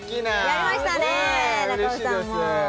やりましたね中尾さんもイエーイ！